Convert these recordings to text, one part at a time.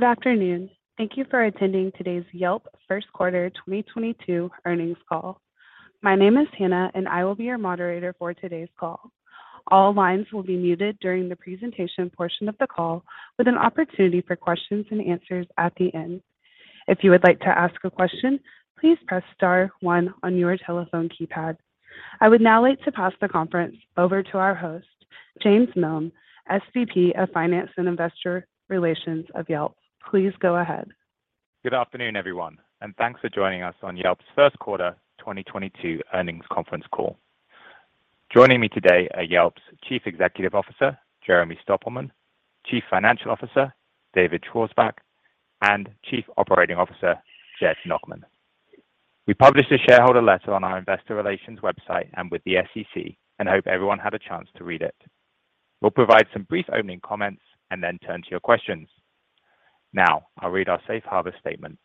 Good afternoon. Thank you for attending today's Yelp First Quarter 2022 Earnings Call. My name is Hannah, and I will be your moderator for today's call. All lines will be muted during the presentation portion of the call, with an opportunity for questions and answers at the end. If you would like to ask a question, please press star one on your telephone keypad. I would now like to pass the conference over to our host, James Miln, SVP of Finance and Investor Relations of Yelp. Please go ahead. Good afternoon, everyone, and thanks for joining us on Yelp's First Quarter 2022 Earnings Conference Call. Joining me today are Yelp's Chief Executive Officer, Jeremy Stoppelman, Chief Financial Officer, David Schwarzbach, and Chief Operating Officer, Jed Nachman. We published a shareholder letter on our investor relations website and with the SEC, and hope everyone had a chance to read it. We'll provide some brief opening comments and then turn to your questions. Now I'll read our safe harbor statement.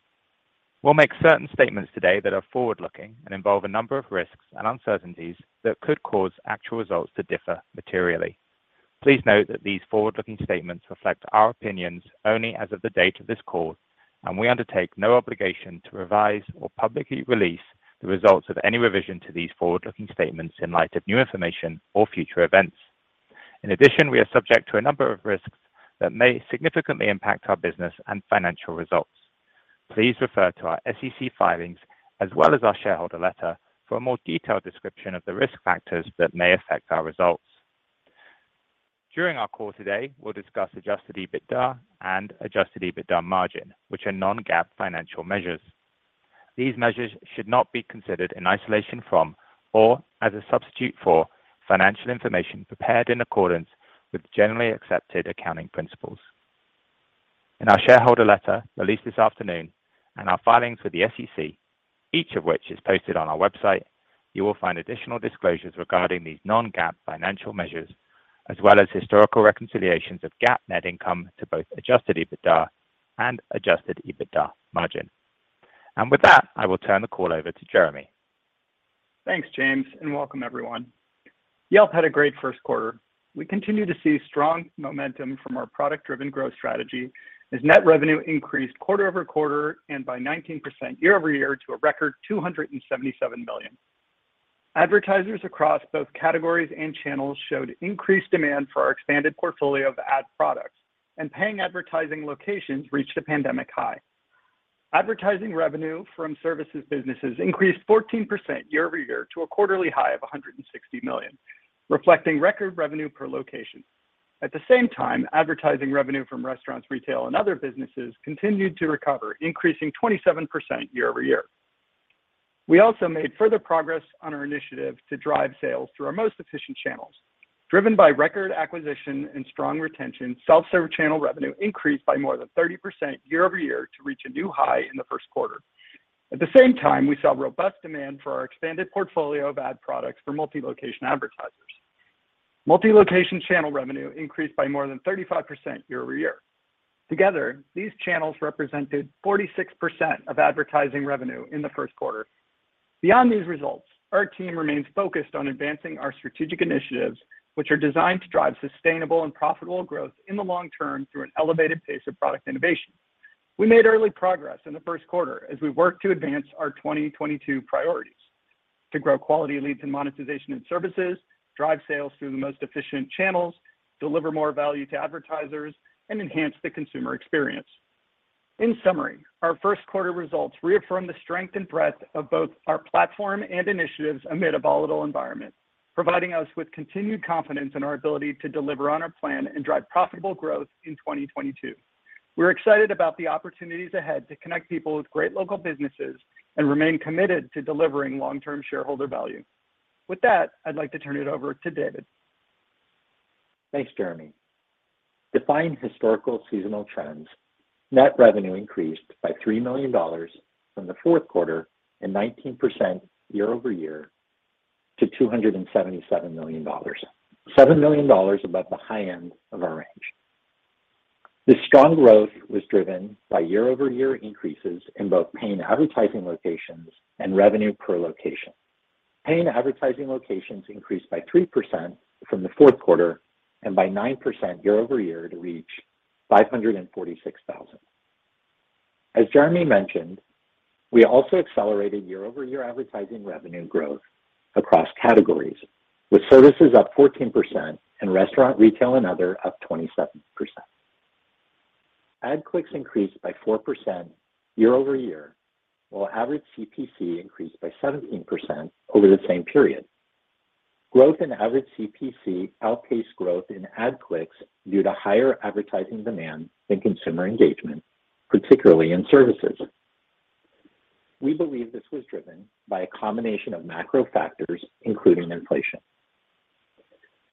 We'll make certain statements today that are forward-looking and involve a number of risks and uncertainties that could cause actual results to differ materially. Please note that these forward-looking statements reflect our opinions only as of the date of this call, and we undertake no obligation to revise or publicly release the results of any revision to these forward-looking statements in light of new information or future events. In addition, we are subject to a number of risks that may significantly impact our business and financial results. Please refer to our SEC filings as well as our shareholder letter for a more detailed description of the risk factors that may affect our results. During our call today, we'll discuss adjusted EBITDA and adjusted EBITDA margin, which are non-GAAP financial measures. These measures should not be considered in isolation from or as a substitute for financial information prepared in accordance with generally accepted accounting principles. In our shareholder letter released this afternoon and our filings with the SEC, each of which is posted on our website, you will find additional disclosures regarding these non-GAAP financial measures, as well as historical reconciliations of GAAP net income to both adjusted EBITDA and adjusted EBITDA margin. With that, I will turn the call over to Jeremy. Thanks, James, and welcome everyone. Yelp had a great first quarter. We continue to see strong momentum from our product-driven growth strategy as net revenue increased quarter-over-quarter and by 19% year-over-year to a record $277 million. Advertisers across both categories and channels showed increased demand for our expanded portfolio of ad products and paying advertising locations reached a pandemic high. Advertising revenue from services businesses increased 14% year-over-year to a quarterly high of $160 million, reflecting record revenue per location. At the same time, advertising revenue from restaurants, retail, and other businesses continued to recover, increasing 27% year-over-year. We also made further progress on our initiative to drive sales through our most efficient channels. Driven by record acquisition and strong retention, self-serve channel revenue increased by more than 30% year-over-year to reach a new high in the first quarter. At the same time, we saw robust demand for our expanded portfolio of ad products for multi-location advertisers. Multi-location channel revenue increased by more than 35% year-over-year. Together, these channels represented 46% of advertising revenue in the first quarter. Beyond these results, our team remains focused on advancing our strategic initiatives, which are designed to drive sustainable and profitable growth in the long term through an elevated pace of product innovation. We made early progress in the first quarter as we worked to advance our 2022 priorities to grow quality leads and monetization in services, drive sales through the most efficient channels, deliver more value to advertisers, and enhance the consumer experience. In summary, our first quarter results reaffirm the strength and breadth of both our platform and initiatives amid a volatile environment, providing us with continued confidence in our ability to deliver on our plan and drive profitable growth in 2022. We're excited about the opportunities ahead to connect people with great local businesses and remain committed to delivering long-term shareholder value. With that, I'd like to turn it over to David. Thanks, Jeremy. Defied historical seasonal trends. Net revenue increased by $3 million from the fourth quarter and 19% year-over-year to $277 million, $7 million above the high end of our range. This strong growth was driven by year-over-year increases in both paying advertising locations and revenue per location. Paying advertising locations increased by 3% from the fourth quarter and by 9% year-over-year to reach 546,000. As Jeremy mentioned, we also accelerated year-over-year advertising revenue growth across categories, with services up 14% and restaurant, retail, and other up 27%. Ad clicks increased by 4% year-over-year, while average CPC increased by 17% over the same period. Growth in average CPC outpaced growth in ad clicks due to higher advertising demand and consumer engagement, particularly in services. We believe this was driven by a combination of macro factors, including inflation.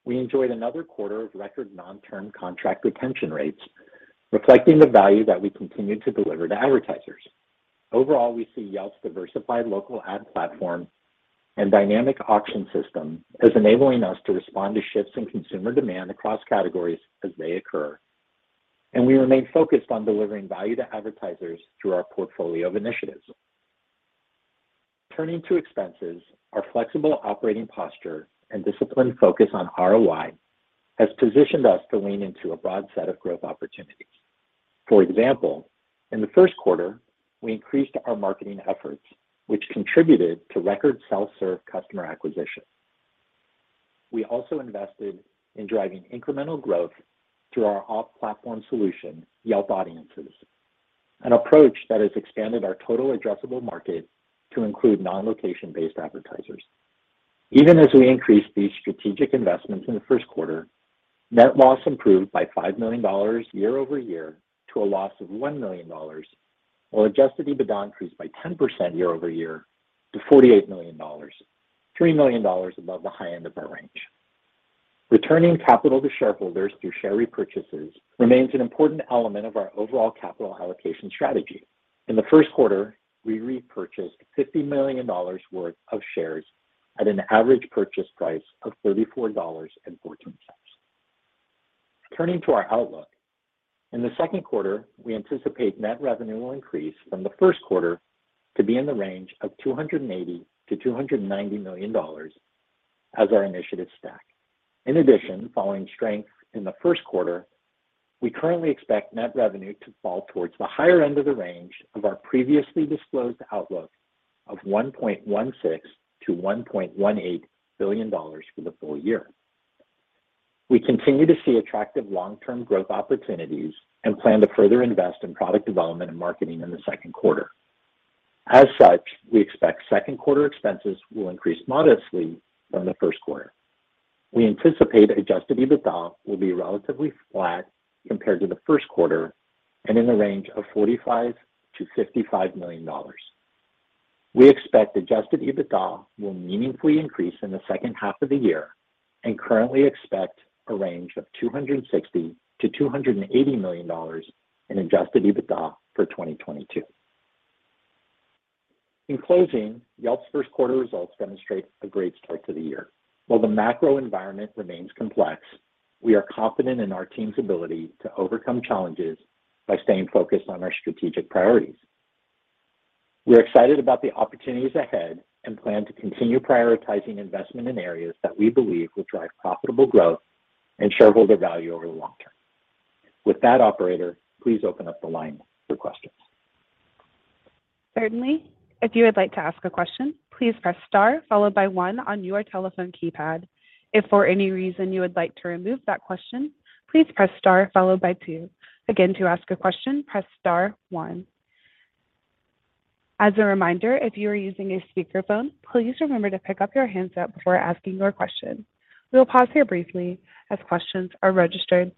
We enjoyed another quarter of record non-term contract retention rates, reflecting the value that we continue to deliver to advertisers. Overall, we see Yelp's diversified local ad platform and dynamic auction system as enabling us to respond to shifts in consumer demand across categories as they occur. We remain focused on delivering value to advertisers through our portfolio of initiatives. Turning to expenses, our flexible operating posture and disciplined focus on ROI has positioned us to lean into a broad set of growth opportunities. For example, in the first quarter, we increased our marketing efforts, which contributed to record self-serve customer acquisition. We also invested in driving incremental growth through our off-platform solution, Yelp Audiences, an approach that has expanded our total addressable market to include non-location-based advertisers. Even as we increased these strategic investments in the first quarter, net loss improved by $5 million year-over-year to a loss of $1 million, while Adjusted EBITDA increased by 10% year-over-year to $48 million, $3 million above the high end of our range. Returning capital to shareholders through share repurchases remains an important element of our overall capital allocation strategy. In the first quarter, we repurchased $50 million worth of shares at an average purchase price of $34.14. Turning to our outlook, in the second quarter, we anticipate net revenue will increase from the first quarter to be in the range of $280 million-$290 million as our initiatives stack. In addition, following strength in the first quarter, we currently expect net revenue to fall towards the higher end of the range of our previously disclosed outlook of $1.16 billion-$1.18 billion for the full year. We continue to see attractive long-term growth opportunities and plan to further invest in product development and marketing in the second quarter. As such, we expect second quarter expenses will increase modestly from the first quarter. We anticipate adjusted EBITDA will be relatively flat compared to the first quarter and in the range of $45 million-$55 million. We expect adjusted EBITDA will meaningfully increase in the second half of the year and currently expect a range of $260 million-$280 million in adjusted EBITDA for 2022. In closing, Yelp's first quarter results demonstrate a great start to the year. While the macro environment remains complex, we are confident in our team's ability to overcome challenges by staying focused on our strategic priorities. We are excited about the opportunities ahead and plan to continue prioritizing investment in areas that we believe will drive profitable growth and shareholder value over the long term. With that, operator, please open up the line for questions. Certainly. If you would like to ask a question, please press star followed by one on your telephone keypad. If for any reason you would like to remove that question, please press star followed by two. Again, to ask a question, press star one. As a reminder, if you are using a speakerphone, please remember to pick up your handset before asking your question. We'll pause here briefly as questions are registered.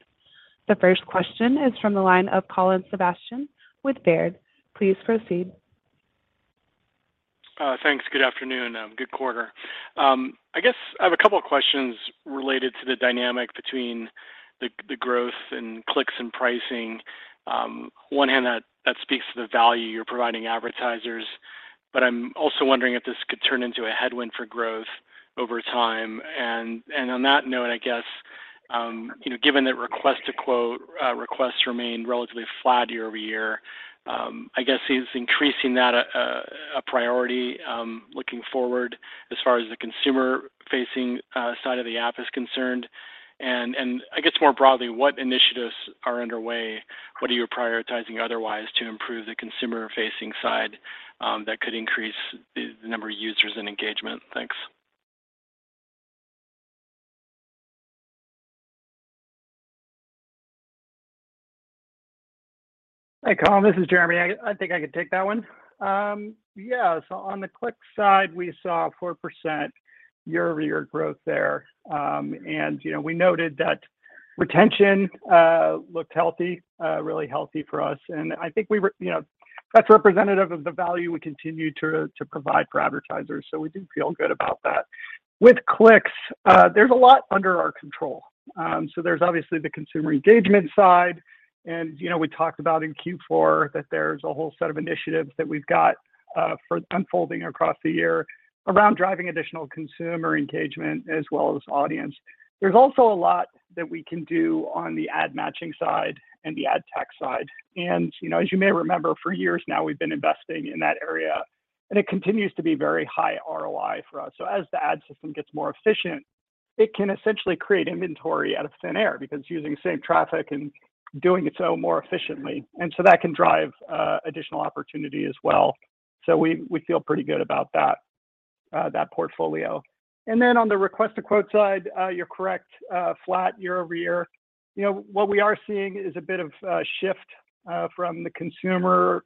The first question is from the line of Colin Sebastian with Baird. Please proceed. Thanks. Good afternoon. Good quarter. I guess I have a couple of questions related to the dynamic between the growth and clicks and pricing. On the one hand, that speaks to the value you're providing advertisers, but I'm also wondering if this could turn into a headwind for growth over time. On that note, I guess, you know, given that Request a Quote requests remain relatively flat year over year, I guess, is increasing that a priority, looking forward as far as the consumer-facing side of the app is concerned? I guess more broadly, what initiatives are underway? What are you prioritizing otherwise to improve the consumer-facing side, that could increase the number of users and engagement? Thanks. Hi, Colin, this is Jeremy. I think I can take that one. Yeah. On the click side, we saw 4% year-over-year growth there. And, you know, we noted that retention looked healthy, really healthy for us. I think you know, that's representative of the value we continue to provide for advertisers. We do feel good about that. With clicks, there's a lot under our control. There's obviously the consumer engagement side. You know, we talked about in Q4 that there's a whole set of initiatives that we've got unfolding across the year around driving additional consumer engagement as well as audience. There's also a lot that we can do on the ad matching side and the ad tech side. You know, as you may remember, for years now, we've been investing in that area, and it continues to be very high ROI for us. As the ad system gets more efficient, it can essentially create inventory out of thin air because it's using the same traffic and doing it so much more efficiently. That can drive additional opportunity as well. We feel pretty good about that portfolio. On the Request a Quote side, you're correct, flat year-over-year. You know, what we are seeing is a bit of a shift from the consumer,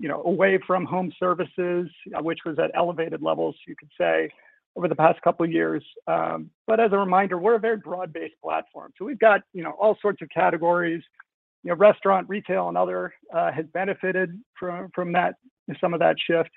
you know, away from home services, which was at elevated levels, you could say, over the past couple of years. As a reminder, we're a very broad-based platform. We've got, you know, all sorts of categories. You know, restaurant, retail, and other have benefited from that, some of that shift.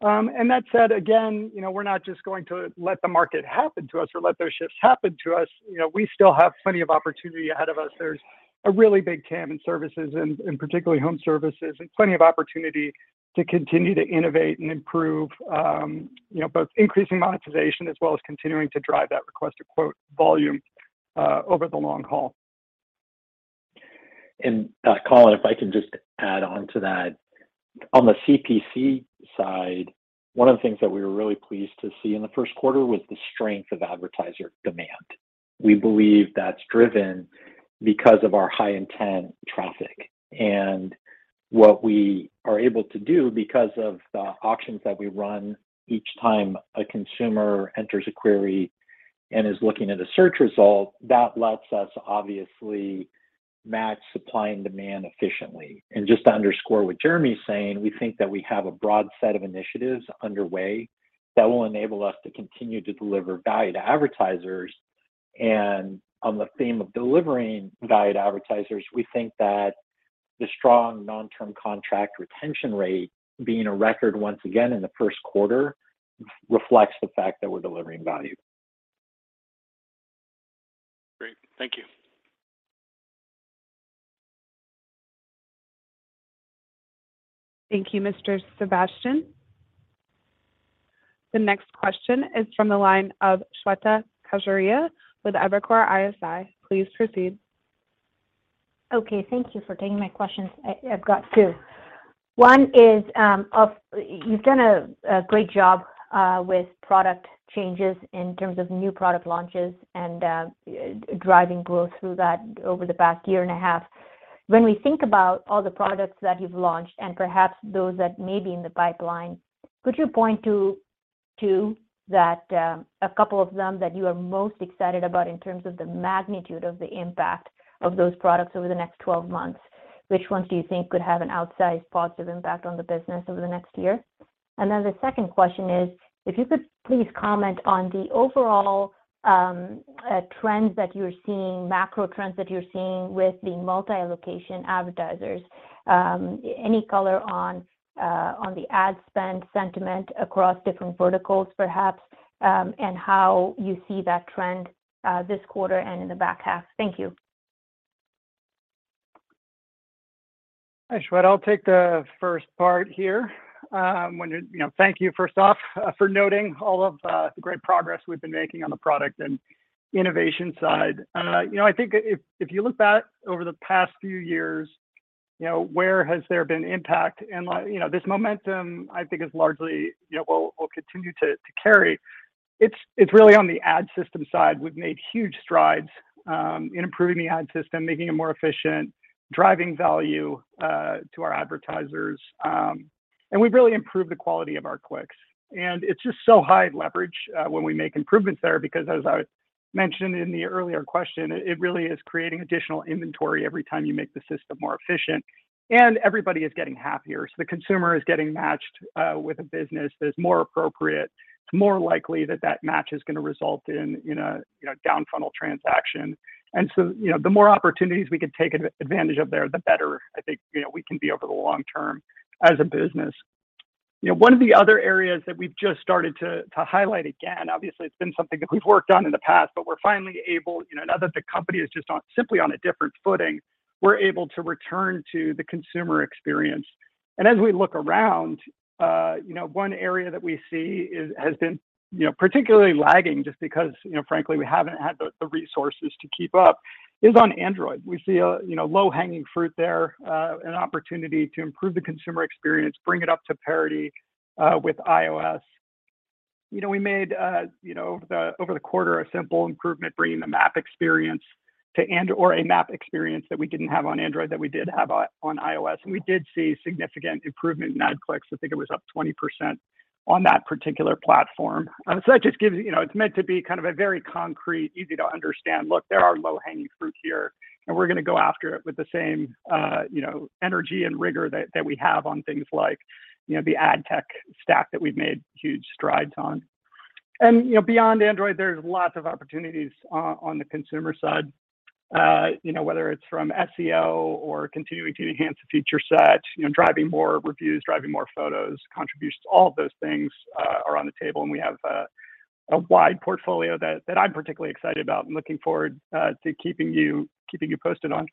That said, again, you know, we're not just going to let the market happen to us or let those shifts happen to us. You know, we still have plenty of opportunity ahead of us. There's a really big TAM in services and particularly home services, and plenty of opportunity to continue to innovate and improve, you know, both increasing monetization as well as continuing to drive that Request a Quote volume over the long haul. Colin, if I can just add on to that. On the CPC side, one of the things that we were really pleased to see in the first quarter was the strength of advertiser demand. We believe that's driven because of our high-intent traffic. What we are able to do because of the auctions that we run each time a consumer enters a query and is looking at a search result, that lets us obviously match supply and demand efficiently. Just to underscore what Jeremy's saying, we think that we have a broad set of initiatives underway that will enable us to continue to deliver value to advertisers. On the theme of delivering value to advertisers, we think that the strong long-term contract retention rate being a record once again in the first quarter reflects the fact that we're delivering value. Great. Thank you. Thank you, Mr. Sebastian. The next question is from the line of Shweta Khajuria with Evercore ISI. Please proceed. Okay. Thank you for taking my questions. I've got two. One is, you've done a great job with product changes in terms of new product launches and driving growth through that over the past year and a half. When we think about all the products that you've launched and perhaps those that may be in the pipeline, could you point to a couple of them that you are most excited about in terms of the magnitude of the impact of those products over the next 12 months? Which ones do you think could have an outsized positive impact on the business over the next year? The second question is, if you could please comment on the overall trends that you're seeing, macro trends that you're seeing with the multi-location advertisers. Any color on the ad spend sentiment across different verticals perhaps, and how you see that trend this quarter and in the back half? Thank you. Hi, Shweta. I'll take the first part here. You know, thank you first off for noting all of the great progress we've been making on the product and innovation side. You know, I think if you look back over the past few years, you know, where has there been impact and like, you know, this momentum I think is largely, you know, will continue to carry. It's really on the ad system side. We've made huge strides in improving the ad system, making it more efficient, driving value to our advertisers. We've really improved the quality of our clicks. It's just so high leverage when we make improvements there because as I mentioned in the earlier question, it really is creating additional inventory every time you make the system more efficient, and everybody is getting happier. The consumer is getting matched with a business that's more appropriate. It's more likely that that match is gonna result in a you know down-funnel transaction. The more opportunities we can take advantage of there, the better I think you know we can be over the long term as a business. One of the other areas that we've just started to highlight, again, obviously it's been something that we've worked on in the past, but we're finally able, you know, now that the company is just on simply on a different footing, we're able to return to the consumer experience. As we look around, you know, one area that we see has been, you know, particularly lagging just because, you know, frankly we haven't had the resources to keep up, is on Android. We see a, you know, low-hanging fruit there, an opportunity to improve the consumer experience, bring it up to parity, with iOS. You know, we made, you know, the, over the quarter a simple improvement bringing the map experience to Android or a map experience that we didn't have on Android that we did have on iOS. We did see significant improvement in ad clicks. I think it was up 20% on that particular platform. That just gives, you know, it's meant to be kind of a very concrete, easy to understand, look, there are low-hanging fruit here, and we're gonna go after it with the same, you know, energy and rigor that we have on things like, you know, the ad tech stack that we've made huge strides on. You know, beyond Android, there's lots of opportunities on the consumer side. You know, whether it's from SEO or continuing to enhance the feature set, you know, driving more reviews, driving more photos, contributions, all of those things are on the table. We have a wide portfolio that I'm particularly excited about and looking forward to keeping you posted on.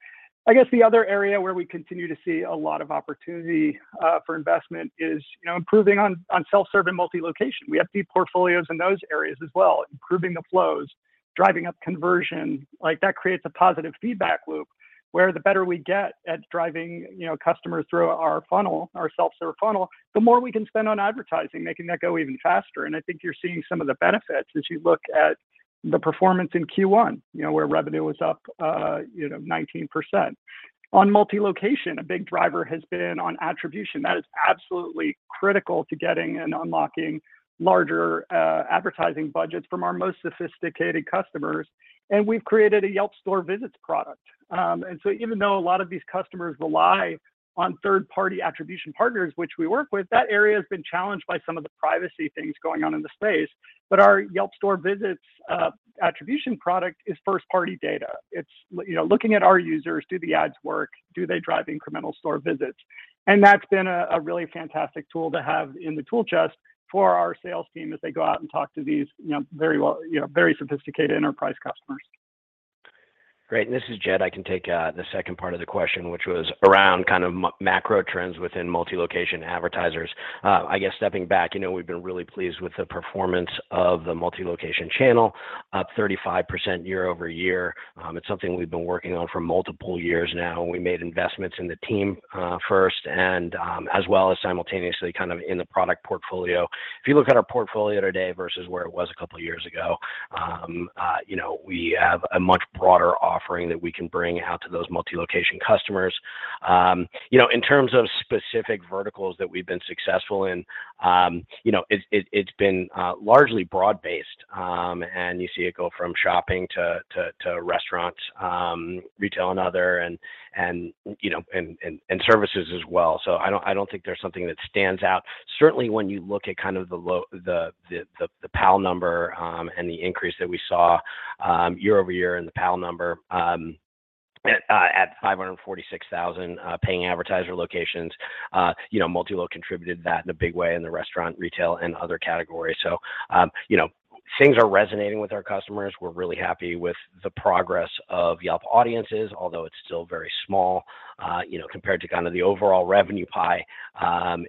I guess the other area where we continue to see a lot of opportunity for investment is, you know, improving on self-serve and multi-location. We have deep portfolios in those areas as well, improving the flows, driving up conversion. Like that creates a positive feedback loop where the better we get at driving, you know, customers through our funnel, our self-serve funnel, the more we can spend on advertising, making that go even faster. I think you're seeing some of the benefits as you look at the performance in Q1, you know, where revenue was up 19%. On multi-location, a big driver has been on attribution. That is absolutely critical to getting and unlocking larger advertising budgets from our most sophisticated customers. We've created a Yelp Store Visits product. Even though a lot of these customers rely on third-party attribution partners, which we work with, that area has been challenged by some of the privacy things going on in the space. Our Yelp Store Visits attribution product is first-party data. It's you know, looking at our users, do the ads work? Do they drive incremental store visits? That's been a really fantastic tool to have in the tool chest for our sales team as they go out and talk to these, you know, very well, you know, very sophisticated enterprise customers. Great. This is Jed. I can take the second part of the question, which was around kind of macro trends within multi-location advertisers. I guess stepping back, you know, we've been really pleased with the performance of the multi-location channel, up 35% year-over-year. It's something we've been working on for multiple years now, and we made investments in the team, first and as well as simultaneously kind of in the product portfolio. If you look at our portfolio today versus where it was a couple of years ago, you know, we have a much broader offering that we can bring out to those multi-location customers. You know, in terms of specific verticals that we've been successful in, you know, it's been largely broad-based, and you see it go from shopping to restaurants, retail and other, and services as well. I don't think there's something that stands out. Certainly, when you look at kind of the PAL number, and the increase that we saw year-over-year in the PAL number, at 546,000 paying advertiser locations, you know, multi-location contributed to that in a big way in the restaurant, retail, and other categories. You know, things are resonating with our customers. We're really happy with the progress of Yelp Audiences, although it's still very small, you know, compared to kind of the overall revenue pie.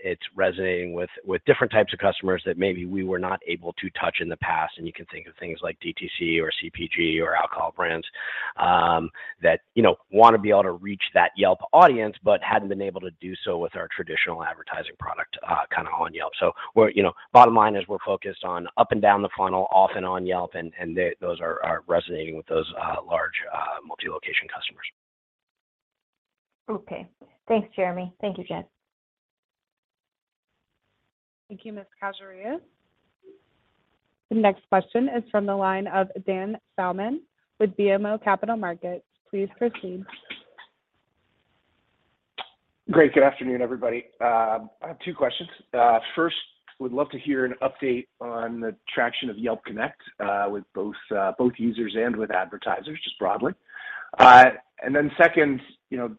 It's resonating with different types of customers that maybe we were not able to touch in the past, and you can think of things like DTC or CPG or alcohol brands that, you know, wanna be able to reach that Yelp audience but hadn't been able to do so with our traditional advertising product, kind of on Yelp. You know, bottom line is we're focused on up and down the funnel, off and on Yelp, and those are resonating with those large multi-location customers. Okay. Thanks, Jeremy. Thank you, Jed. Thank you, Ms. Khajuria. The next question is from the line of Dan Salmon with BMO Capital Markets. Please proceed. Great. Good afternoon, everybody. I have two questions. First, would love to hear an update on the traction of Yelp Connect, with both users and with advertisers, just broadly. Second, you know,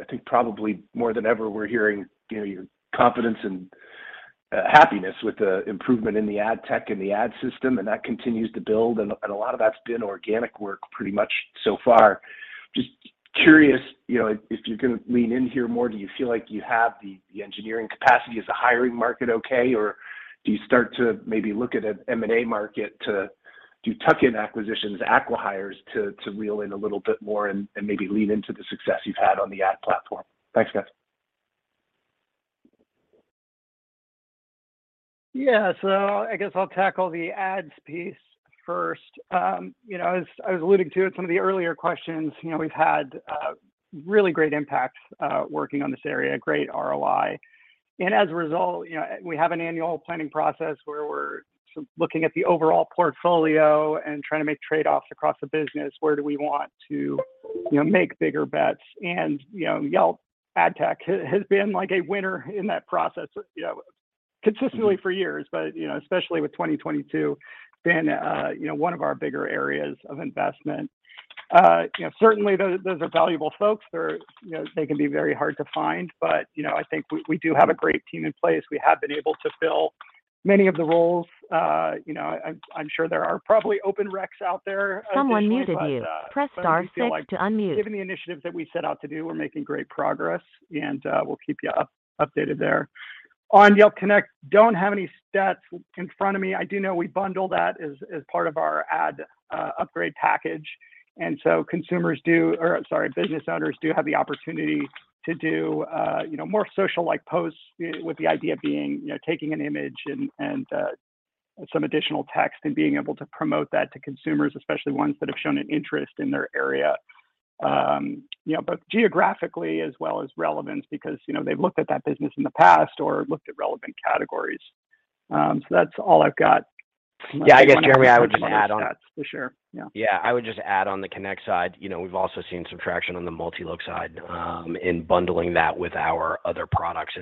I think probably more than ever, we're hearing, you know, your confidence and happiness with the improvement in the ad tech and the ad system, and that continues to build. A lot of that's been organic work pretty much so far. Just curious, you know, if you can lean in here more, do you feel like you have the engineering capacity? Is the hiring market okay, or do you start to maybe look at an M&A market to do tuck-in acquisitions, acqui-hires to reel in a little bit more and maybe lean into the success you've had on the ad platform? Thanks, guys. Yeah. I guess I'll tackle the ads piece first. You know, as I was alluding to in some of the earlier questions, you know, we've had really great impact working on this area, great ROI. As a result, you know, we have an annual planning process where we're looking at the overall portfolio and trying to make trade-offs across the business, where do we want to, you know, make bigger bets. You know, Yelp ad tech has been, like, a winner in that process, you know, consistently for years, but you know, especially with 2022, one of our bigger areas of investment. You know, certainly those are valuable folks. You know, they can be very hard to find, but you know, I think we do have a great team in place. We have been able to fill many of the roles. You know, I'm sure there are probably open recs out there additionally, but. Someone muted you. Press star six to unmute. We feel like given the initiatives that we set out to do, we're making great progress, and we'll keep you updated there. On Yelp Connect, don't have any stats in front of me. I do know we bundle that as part of our ad upgrade package. Business owners do have the opportunity to do, you know, more social-like posts with the idea being, you know, taking an image and some additional text and being able to promote that to consumers, especially ones that have shown an interest in their area. You know, both geographically as well as relevance because, you know, they've looked at that business in the past or looked at relevant categories. That's all I've got. Yeah. I guess, Jeremy, I would just add on- For sure. Yeah. Yeah. I would just add on the Connect side, you know, we've also seen some traction on the multi-lo side, in bundling that with our other products.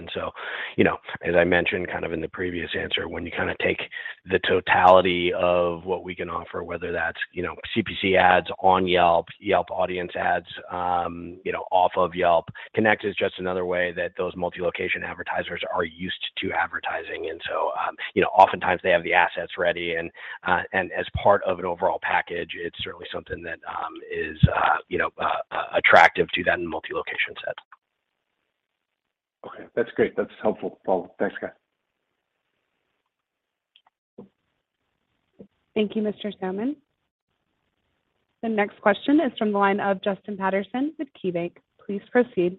You know, as I mentioned kind of in the previous answer, when you kinda take the totality of what we can offer, whether that's, you know, CPC ads on Yelp Audience ads, you know, off of Yelp, Connect is just another way that those multi-location advertisers are used to advertising. You know, oftentimes they have the assets ready, and as part of an overall package, it's certainly something that is, you know, attractive to that in multi-location sets. Okay. That's great. That's helpful. Well, thanks, guys. Thank you, Mr. Salmon. The next question is from the line of Justin Patterson with KeyBanc. Please proceed.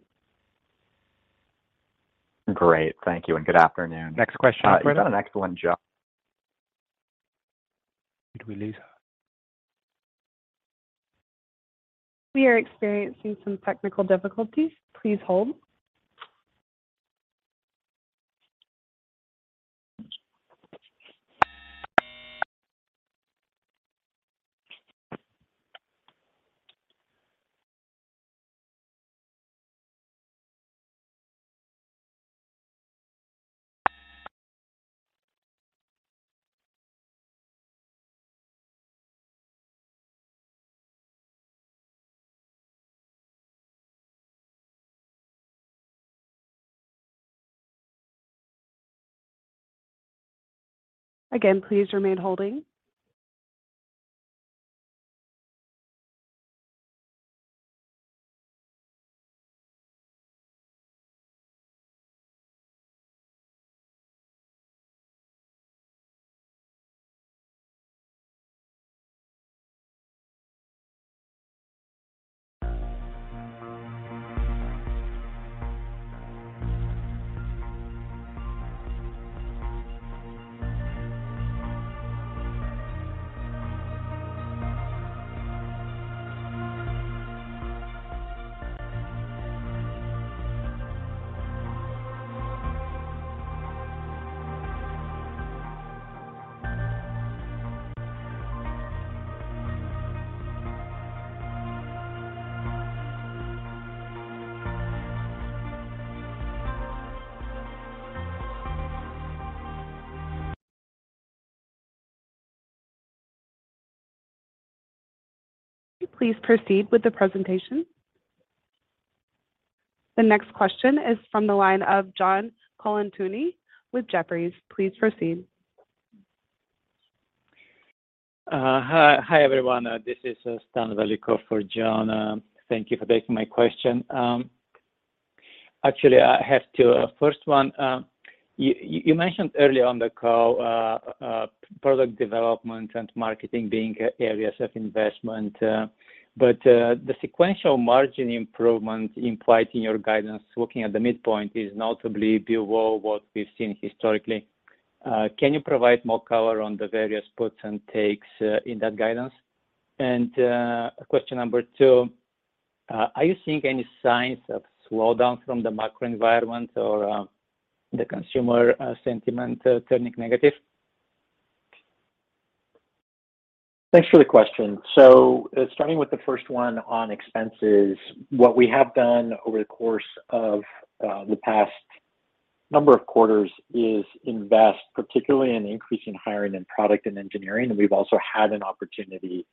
Great. Thank you, and good afternoon. Next question. You've done an excellent job. Did we lose her? We are experiencing some technical difficulties. Please hold. Again, please remain holding. Please proceed with the presentation. The next question is from the line of John Colantuoni with Jefferies. Please proceed. Hi, everyone. This is Stan Velikov for John. Thank you for taking my question. Actually, I have two. First one, you mentioned early on the call, product development and marketing being areas of investment. But the sequential margin improvement implied in your guidance looking at the midpoint is notably below what we've seen historically. Can you provide more color on the various puts and takes in that guidance? Question number two, are you seeing any signs of slowdown from the macro environment or the consumer sentiment turning negative? Thanks for the question. Starting with the first one on expenses, what we have done over the course of the past number of quarters is invest, particularly in increasing hiring in product and engineering, and we've also had an opportunity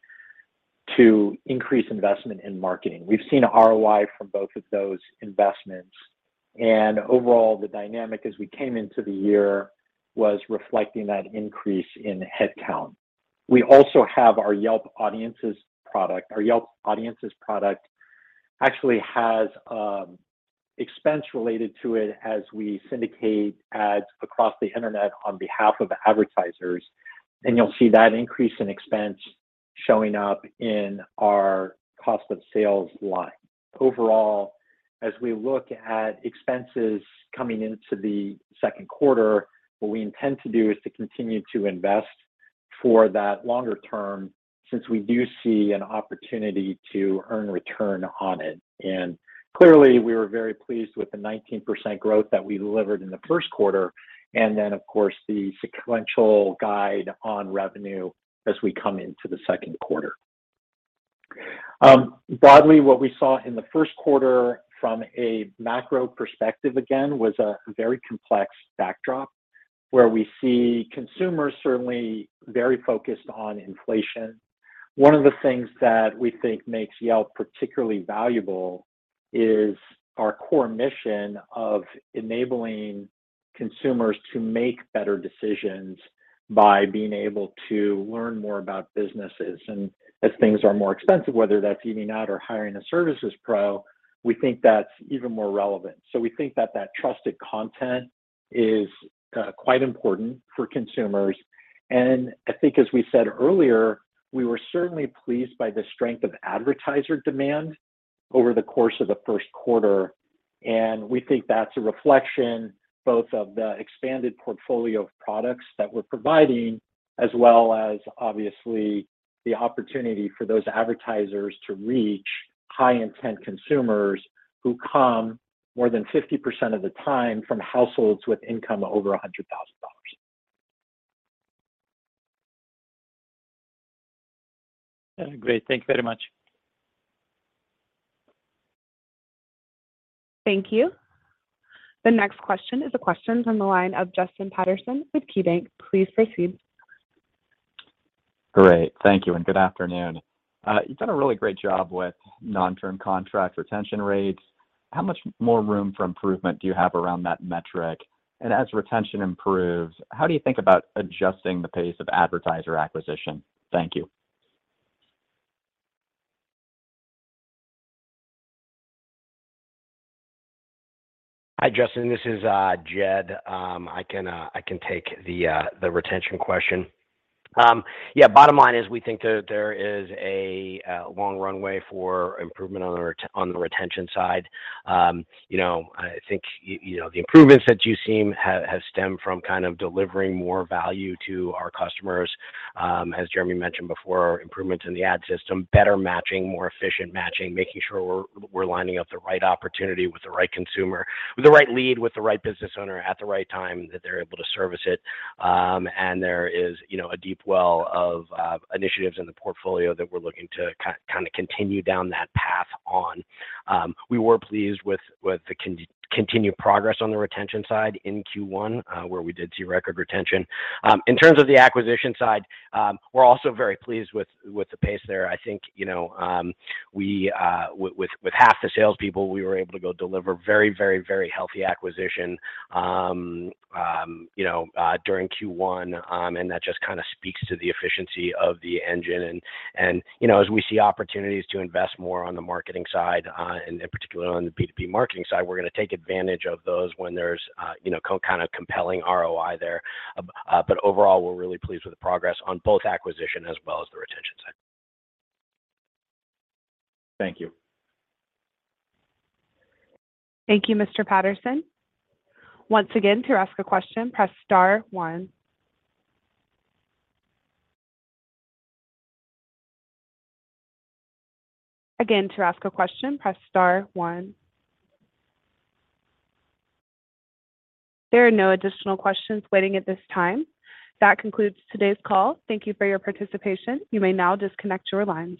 to increase investment in marketing. We've seen ROI from both of those investments. Overall, the dynamic as we came into the year was reflecting that increase in headcount. We also have our Yelp Audiences product. Our Yelp Audiences product actually has expense related to it as we syndicate ads across the internet on behalf of advertisers, and you'll see that increase in expense showing up in our cost of sales line. Overall, as we look at expenses coming into the second quarter, what we intend to do is to continue to invest for that longer term since we do see an opportunity to earn return on it. Clearly, we were very pleased with the 19% growth that we delivered in the first quarter and then, of course, the sequential guide on revenue as we come into the second quarter. Broadly, what we saw in the first quarter from a macro perspective, again, was a very complex backdrop where we see consumers certainly very focused on inflation. One of the things that we think makes Yelp particularly valuable is our core mission of enabling consumers to make better decisions by being able to learn more about businesses. As things are more expensive, whether that's eating out or hiring a services pro, we think that's even more relevant. We think that trusted content is quite important for consumers. I think as we said earlier, we were certainly pleased by the strength of advertiser demand over the course of the first quarter, and we think that's a reflection both of the expanded portfolio of products that we're providing, as well as obviously the opportunity for those advertisers to reach high-intent consumers who come more than 50% of the time from households with income over $100,000. Great. Thank you very much. Thank you. The next question is a question from the line of Justin Patterson with KeyBanc. Please proceed. Great. Thank you and good afternoon. You've done a really great job with non-term contract retention rates. How much more room for improvement do you have around that metric? As retention improves, how do you think about adjusting the pace of advertiser acquisition? Thank you. Hi, Justin. This is Jed. I can take the retention question. Yeah, bottom line is we think there is a long runway for improvement on the retention side. You know, I think you know, the improvements that you've seen has stemmed from kind of delivering more value to our customers. As Jeremy mentioned before, improvements in the ad system, better matching, more efficient matching, making sure we're lining up the right opportunity with the right consumer, with the right lead, with the right business owner at the right time, that they're able to service it. There is, you know, a deep well of initiatives in the portfolio that we're looking to kind of continue down that path on. We were pleased with the continued progress on the retention side in Q1, where we did see record retention. In terms of the acquisition side, we're also very pleased with the pace there. I think, you know, we with half the salespeople, we were able to go deliver very healthy acquisition, you know, during Q1, and that just kinda speaks to the efficiency of the engine. You know, as we see opportunities to invest more on the marketing side, and in particular on the B2B marketing side, we're gonna take advantage of those when there's, you know, kind of compelling ROI there. Overall, we're really pleased with the progress on both acquisition as well as the retention side. Thank you. Thank you, Mr. Patterson. Once again, to ask a question, press star one. Again, to ask a question, press star one. There are no additional questions waiting at this time. That concludes today's call. Thank you for your participation. You may now disconnect your lines.